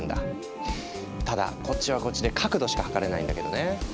ただこっちはこっちで角度しか測れないんだけどね。